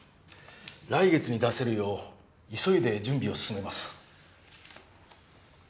来月に出せるよう急いで準備を進めます。